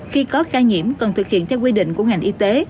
khi có ca nhiễm cần thực hiện theo quy định của ngành y tế